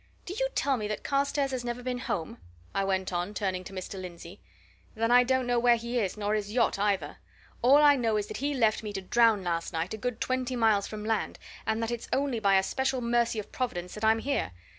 Do you tell me that Carstairs has never been home?" I went on, turning to Mr. Lindsey, "Then I don't know where he is, nor his yacht either. All I know is that he left me to drown last night, a good twenty miles from land, and that it's only by a special mercy of Providence that I'm here.